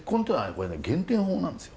これね減点法なんですよ。